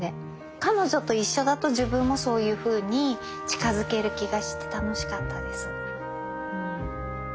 彼女と一緒だと自分もそういうふうに近づける気がして楽しかったです。